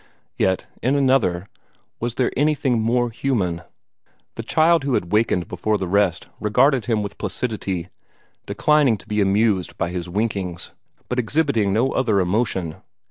Yet, in another, was there anything more human? The child who had wakened before the rest regarded him with placidity, declining to be amused by his winkings, but exhibiting no other emotion.